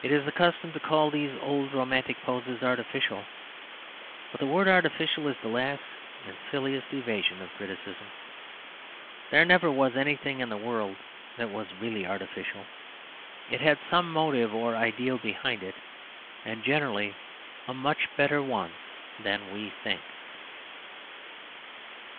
It is the custom to call these old romantic poses artificial; but the word artificial is the last and silliest evasion of criticism. There was never anything in the world that was really artificial. It had some motive or ideal behind it, and generally a much better one than we think.